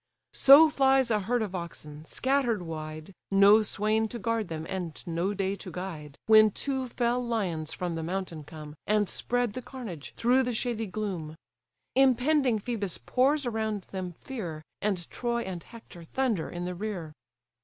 So flies a herd of oxen, scatter'd wide, No swain to guard them, and no day to guide, When two fell lions from the mountain come, And spread the carnage through the shady gloom. Impending Phœbus pours around them fear, And Troy and Hector thunder in the rear.